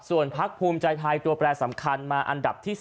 ส่วนพักภูมิใจไทยตัวแปรสำคัญมาอันดับที่๓